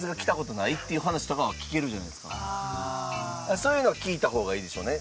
そういうのは聞いた方がいいでしょうね。